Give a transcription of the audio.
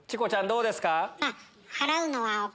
どうですか？